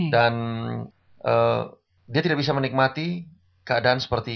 dan dia tidak bisa menikmati keadaan seperti